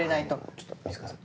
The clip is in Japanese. ちょっと水川さん。